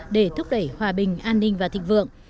để thúc đẩy hòa bình an ninh và thịnh vượng